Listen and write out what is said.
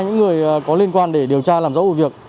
những người có liên quan để điều tra làm rõ vụ việc